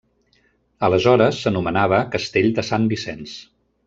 Aleshores s'anomenava Castell de Sant Vicenç.